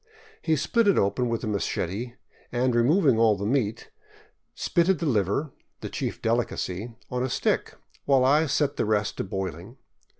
He split it open with a machete and, removing all the meat, spitted the liver, the chief delicacy, on a stick, while I set the rest to boiling.